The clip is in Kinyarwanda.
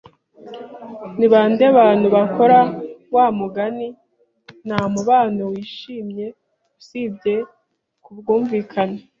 Ni bande abantu bakora wa mugani Nta mubano wishimye usibye kubwumvikane.